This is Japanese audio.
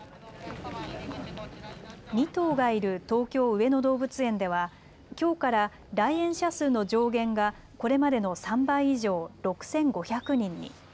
２頭がいる東京、上野動物園ではきょうから来園者数の上限がこれまでの３倍以上、６５００人に。